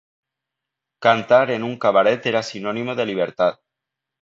Cantar en un cabaret era sinónimo de libertad.